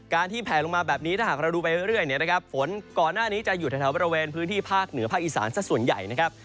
ที่แผลลงมาแบบนี้ถ้าหากเราดูไปเรื่อยเนี่ยนะครับฝนก่อนหน้านี้จะอยู่แถวบริเวณพื้นที่ภาคเหนือภาคอีสานสักส่วนใหญ่นะครับ